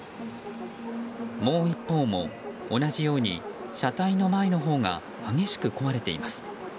もう一方も同じように車体の前のほうが激しく壊れています。